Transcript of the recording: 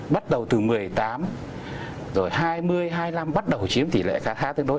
bắt đầu từ một mươi tám rồi hai mươi hai mươi năm bắt đầu chiếm tỷ lệ khá khá tương đối